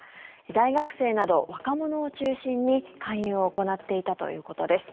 大学生など若者を中心に勧誘を行っていたということです。